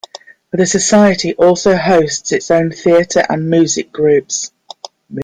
The Society also hosts its own theater and music groups.